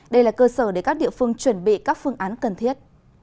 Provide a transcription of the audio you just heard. đây là cơ sở để các địa phương chuẩn bị các phương án cần thiết